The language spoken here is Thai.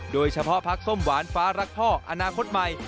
โดยเฉพาะพักส้มหวานฟ้ารักพ่ออนาคตใหม่